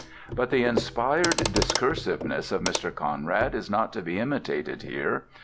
But the inspired discursiveness of Mr. Conrad is not to be imitated here.